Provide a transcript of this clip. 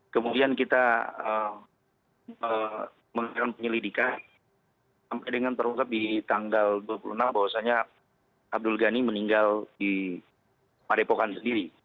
kemudian kita mengadakan penyelidikan sampai dengan terungkap di tanggal dua puluh enam bahwasannya abdul ghani meninggal di padepokan sendiri